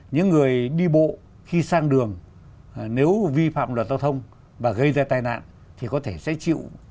những người đi bộ khi sang đường nếu vi phạm luật giao thông và gây ra tai nạn thì có thể sẽ chịu